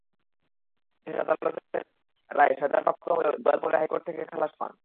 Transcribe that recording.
বিশেষ আদালতের রায়ে সাজাপ্রাপ্ত হলেও ইকবাল পরে হাইকোর্ট থেকে খালাস পান।